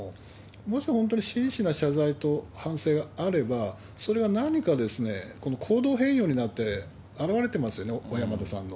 もし本当に真摯な謝罪と反省があれば、それは何かですね、行動変容になって現れてますよね、小山田さんの。